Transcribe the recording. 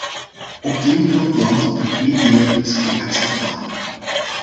Opdeling van het land in twee delen is onacceptabel.